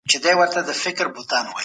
کیسې وې.